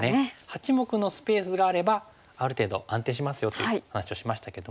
八目のスペースがあればある程度安定しますよという話をしましたけども。